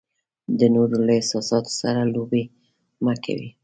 د نورو له احساساتو سره لوبې مه کوئ.